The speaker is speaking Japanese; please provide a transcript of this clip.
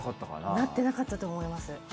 なってなかったと思います。